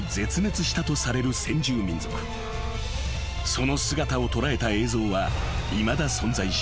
［その姿を捉えた映像はいまだ存在しない］